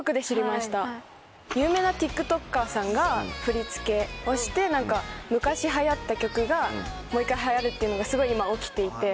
有名なＴｉｋＴｏｋｅｒさんが振り付けをして昔流行った曲がもう１回流行るっていうのがすごい今起きていて。